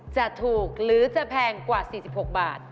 จะถูกหรือจะแพงกว่า๔๖บาท